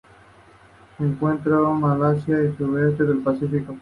La calle alberga a menudo festivales, conciertos o exposiciones.